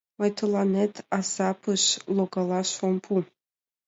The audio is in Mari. Мый тыланет азапыш логалаш ом пу.